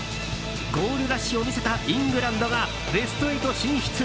ゴールラッシュを見せたイングランドがベスト８進出。